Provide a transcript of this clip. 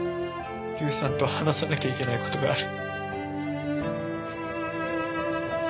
悠さんと話さなきゃいけないことがある。